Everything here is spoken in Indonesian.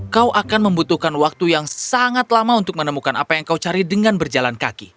kau akan membutuhkan waktu yang sangat lama untuk menemukan apa yang kau cari dengan berjalan kaki